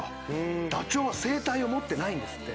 ダチョウは声帯を持ってないんですって。